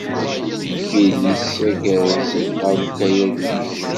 Bill yessaggez ɣer ukayad-nni.